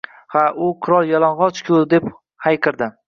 Ha, u “Qirol yalang‘och ku” deb hayqirdi.